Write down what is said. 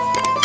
iya pak ji